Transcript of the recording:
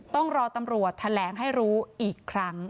ต้องรอตำรวจแถลงให้รู้อีกครั้ง